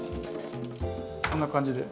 こんな感じで。